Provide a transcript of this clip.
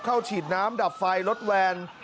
ฉีดน้ำดับไฟรถแวน